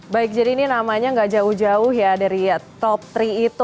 baik jadi ini namanya gak jauh jauh ya dari top tiga itu